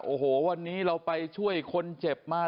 โอ้โหวันนี้เราไปช่วยคนเจ็บมา